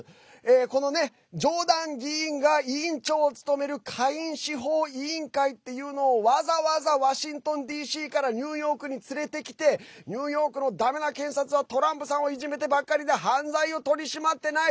このジョーダン議員が委員長を務める下院司法委員会っていうのをわざわざワシントンＤＣからニューヨークに連れてきてニューヨークのだめな検察はトランプさんをいじめてばっかりで犯罪を取り締まってない！